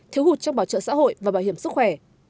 thiếu hụt trong bảo trợ xã hội và bảo hiểm sức khỏe